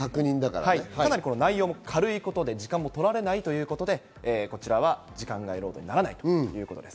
かなり内容も軽いことで時間も取られないということで、こちらは時間外労働にならないということです。